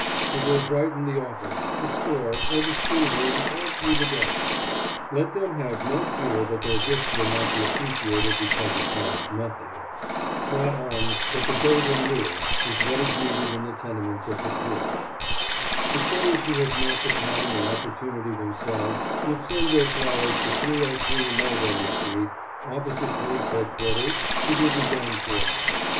It will brighten the office, the store, or the schoolroom all through the day. Let them have no fear that their gift will not be appreciated because it costs nothing. Not alms, but the golden rule, is what is needed in the tenements of the poor. "If those who have not the time or opportunity themselves will send their flowers to 303 Mulberry Street, opposite Police Headquarters, it will be done for them.